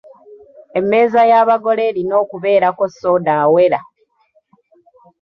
Emmeeza y’abagole erina okubeerako soda awera.